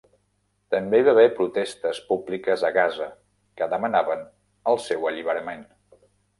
També hi va haver protestes públiques a Gaza que demanaven el seu alliberament.